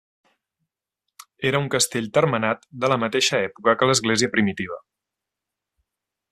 Era un castell termenat de la mateixa època que l'església primitiva.